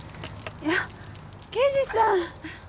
いや刑事さん。